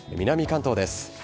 南関東です。